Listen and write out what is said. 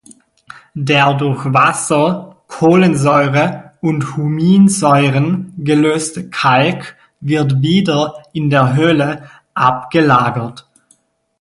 Der durch Wasser, Kohlensäure und Huminsäuren gelöste Kalk wird wieder in der Höhle abgelagert.